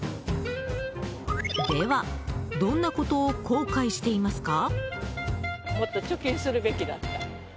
では、どんなことを後悔していますか？